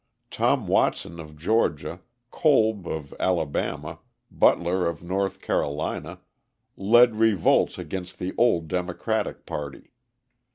Tom Watson of Georgia, Kolb of Alabama, Butler of North Carolina, led revolts against the old Democratic party.